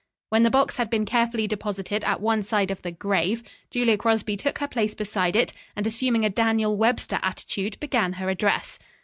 When the box had been carefully deposited at one side of the "grave," Julia Crosby took her place beside it, and assuming a Daniel Webster attitude began her address.